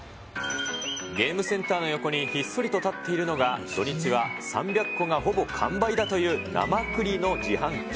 ゲームセンターの横にひっそりと立っているのは、土日は３００個がほぼ完売だという、なまくりの自販機。